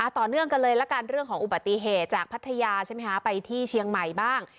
ต่อเนื่องกันเลยละกันเรื่องของอุบัติเหตุจากพัทยาใช่ไหมคะไปที่เชียงใหม่บ้าง